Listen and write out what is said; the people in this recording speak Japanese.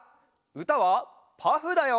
うたは「パフ」だよ！